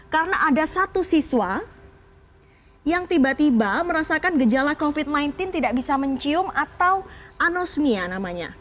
karena ada satu siswa yang tiba tiba merasakan gejala covid sembilan belas tidak bisa mencium atau anosmia namanya